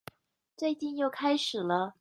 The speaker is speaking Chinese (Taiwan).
最近又開始了